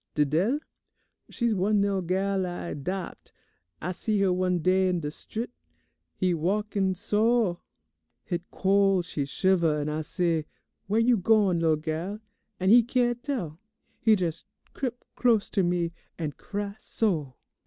Didele? She's one lil' gal I 'dopt. I see her one day in de strit. He walk so; hit col' she shiver, an' I say, 'Where you gone, lil' gal?' and he can' tell. He jes' crip close to me, an' cry so!